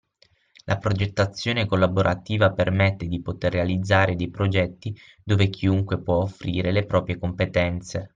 La progettazione collaborativa permette di poter realizzare dei progetti dove chiunque può offrire le proprie competenze